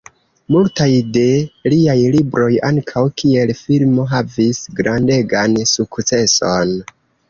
Multaj de liaj libroj ankaŭ kiel filmo havis grandegan sukceson.